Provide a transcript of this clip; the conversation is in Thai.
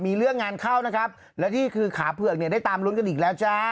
มีเรื่องงานเข้านะครับและนี่คือขาเผือกเนี่ยได้ตามลุ้นกันอีกแล้วจ้า